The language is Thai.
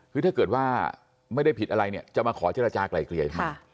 คือถ้าเกิดว่าไม่ได้ผิดอะไรเนี่ยจะมาขอเจรจากลายเกลี่ยทำไม